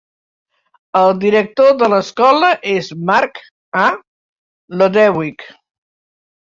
El director de l'escola és Mark A. Lodewyk.